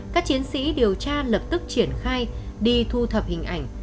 các chiến sĩ điều tra lập tức triển khai đi thu thập hình ảnh